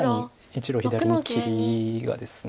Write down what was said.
１路左に切りがですね